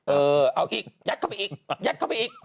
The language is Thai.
เออเอาอีกยัดเข้าไปอีก